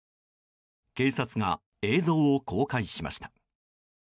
警察が映像を公開しました。